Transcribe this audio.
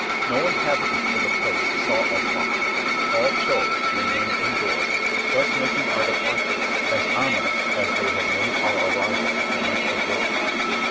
No inhabitant of the place saw us off. All chose to remain indoors, thus making our departure as ominous as they had made our arrival the night before.